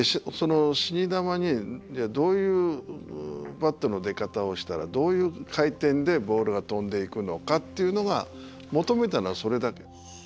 死に球にどういうバットの出方をしたらどういう回転でボールが飛んでいくのかっていうのが求めたのはそれだけ。